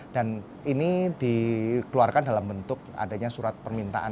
dan ini dikeluarkan dalam bentuk adanya surat permintaan